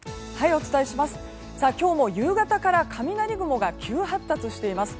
今日も夕方から雷雲が急発達しています。